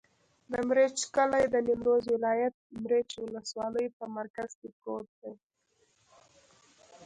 د مريچ کلی د نیمروز ولایت، مريچ ولسوالي په مرکز کې پروت دی.